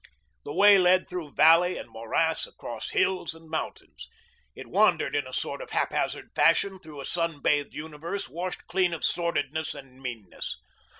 The way led through valley and morass, across hills and mountains. It wandered in a sort of haphazard fashion through a sun bathed universe washed clean of sordidness and meanness.